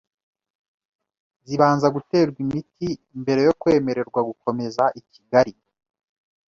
zibanza guterwa imiti mbere yo kwemererwa gukomeza i Kigali